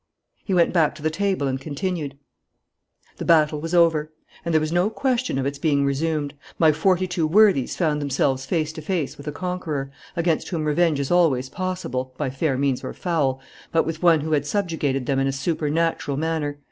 He went back to the table and continued: "The battle was over. And there was no question of its being resumed. My forty two worthies found themselves face to face with a conqueror, against whom revenge is always possible, by fair means or foul, but with one who had subjugated them in a supernatural manner.